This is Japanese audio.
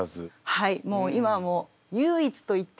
はい。